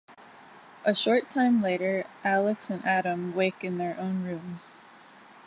A short time later, Alex and Adam wake in their own rooms.